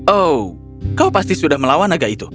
oh kau pasti sudah melawan naga itu